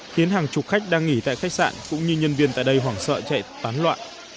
khiến hàng chục khách đang nghỉ tại khách sạn cũng như nhân viên tại đây hoảng sợ chạy tán loạn